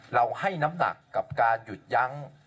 เราให้น้ำหนักกับการหยุดยั้ง